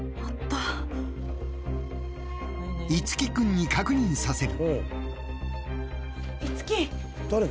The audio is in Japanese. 樹君に確認させる。